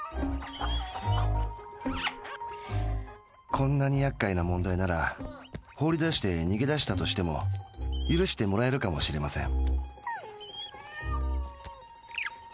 こんなにやっかいな問題なら放り出して逃げ出したとしても許してもらえるかもしれません。